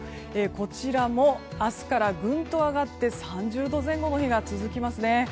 こちらも明日からぐんと上がって３０度前後の日が続きますね。